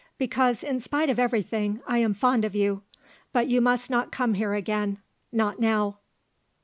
"Because, in spite of everything, I am fond of you. But you must not come here again. Not now."